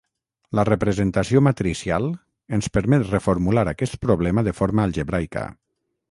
La representació matricial ens permet reformular aquest problema de forma algebraica.